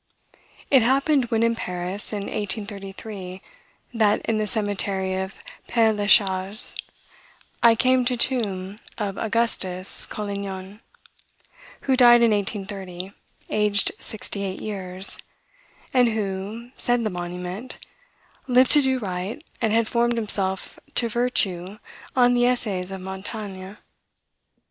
It happened, when in Paris, in 1833, that, in the cemetery of Pere le Chaise, I came to a tomb of Augustus Collignon, who died in 1830, aged sixty eight years, and who, said the monument, "lived to do right, and had formed himself to virtue on the Essays of Montaigne."